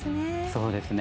そうですね。